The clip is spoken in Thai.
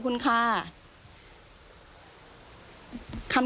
สวัสดีครับ